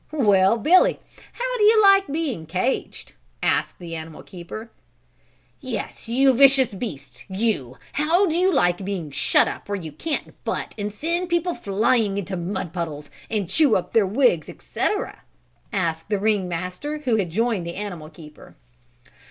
"Well, Billy, how do you like being caged?" asked the animal keeper. "Yes, you vicious beast, you, how do you like being shut up where you can't butt and send people flying into mud puddles and chew up their wigs, etc.?" asked the ring master who had joined the animal keeper.